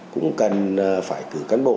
cũng cần phải cử cán bộ